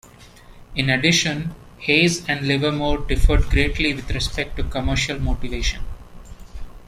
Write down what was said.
In addition, Hayes and Livermore differed greatly with respect to commercial motivation.